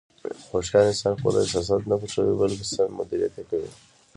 هوښیار انسان خپل احساسات نه پټوي، بلکې سم مدیریت یې کوي.